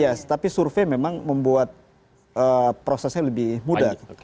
ya tapi survei memang membuat prosesnya lebih mudah